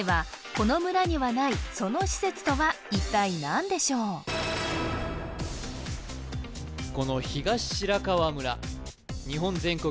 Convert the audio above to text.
この村にはないその施設とは一体何でしょうこの東白川村日本全国